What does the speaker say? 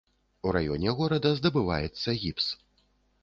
У раёне горада здабываецца гіпс.